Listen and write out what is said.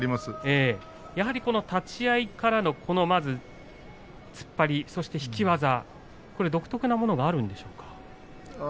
立ち合いからの突っ張り、そして引き技独特なものがあるんでしょうか。